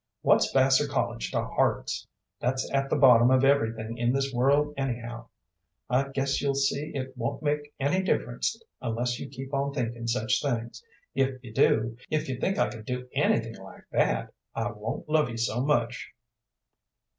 What's Vassar College to hearts? That's at the bottom of everything in this world, anyhow. I guess you'll see it won't make any difference unless you keep on thinking such things. If you do if you think I can do anything like that I won't love you so much."